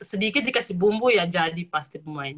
sedikit dikasih bumbu ya jadi pasti pemain